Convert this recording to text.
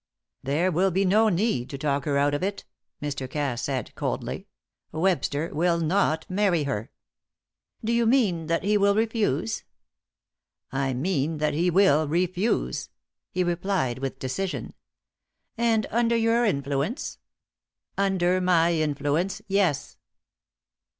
"There will be no need to talk her out of it." Mr. Cass said, coldly. "Webster will not marry her." "Do you mean that he will refuse?" "I mean that he will refuse," he replied with decision. "And under your influence?" "Under my influence. Yes."